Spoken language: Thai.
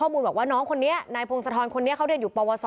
มีข้อมูลบอกว่าน้องคนนี้นายพงศธรณ์คนนี้เขาเรียนอยู่ปวส๑